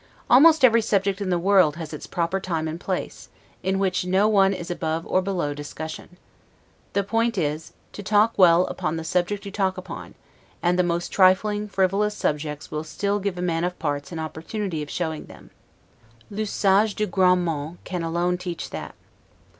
Almost every subject in the world has its proper time and place; in which no one is above or below discussion. The point is, to talk well upon the subject you talk upon; and the most trifling, frivolous subjects will still give a man of parts an opportunity of showing them. 'L'usage du grand monde' can alone teach that.